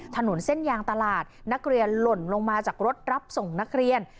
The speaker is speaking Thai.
ถนนเส้นยางตลาดนักเรียนหล่นลงมาจากรถรับส่งนักเรียน